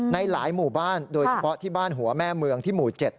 ในหลายหมู่บ้านโดยเฉพาะที่บ้านหัวแม่เมืองที่หมู่๗